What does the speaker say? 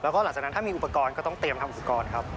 แล้วก็หลังจากนั้นถ้ามีอุปกรณ์ก็ต้องเตรียมทำอุปกรณ์ครับ